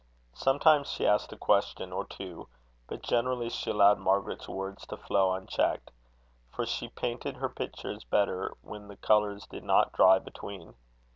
Sometimes she asked a question or two; but generally she allowed Margaret's words to flow unchecked; for she painted her pictures better when the colours did not dry between.